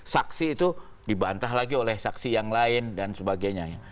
saksi itu dibantah lagi oleh saksi yang lain dan sebagainya